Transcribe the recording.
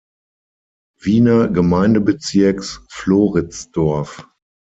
Wiener Gemeindebezirks Floridsdorf.